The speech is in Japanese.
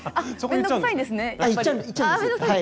面倒くさいんですね。